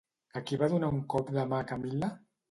A qui va donar un cop de mà Camil·la?